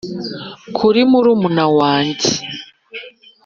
kuri murumuna wange,